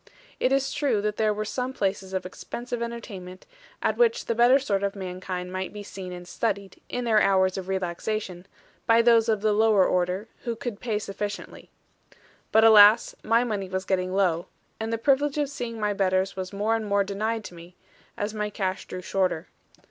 It is true that there were some places of expensive entertainment, at which the better sort of mankind might be seen and studied, in their hours of relaxation, by those of the lower order, who could pay sufficiently. But alas, my money was getting low; and the privilege of seeing my betters was more and more denied to me, as my cash drew shorter.